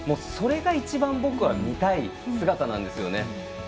それが一番僕は見たい姿なんですよね。